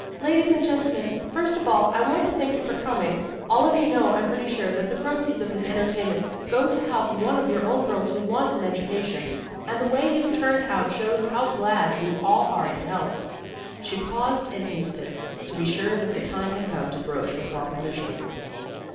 "Ladies and Gentlemen, first of all, I want to thank you for coming. All of you know, I'm pretty sure, that the proceeds of this entertainment go to help one of your own girls who wants an education. And the way you've turned out shows how glad you all are to help." She paused an instant, to be sure that the time had come to broach her proposition.